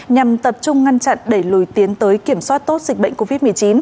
nhằm tập trung ngăn chặn đẩy lùi tiến tới kiểm soát tốt dịch bệnh covid một mươi chín